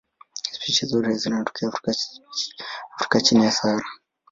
Spishi zote zinatokea Afrika chini ya Sahara.